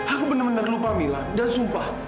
aku benar benar lupa mila dan sumpah